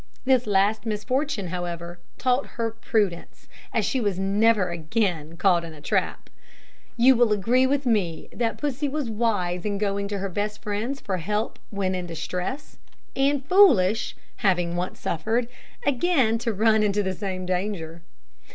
This last misfortune, however, taught her prudence, as she was never again caught in a trap. You will agree with me that Pussy was wise in going to her best friends for help when in distress; and foolish, having once suffered, again to run into the same danger.